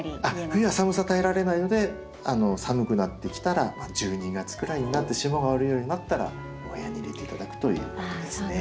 冬は寒さ耐えられないので寒くなってきたら１２月ぐらいになって霜が降りるようになったらお部屋に入れて頂くということですね。